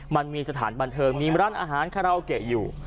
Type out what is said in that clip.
มันมีสถานบันเทิงมีร้านอาหารคาราโอเกะอยู่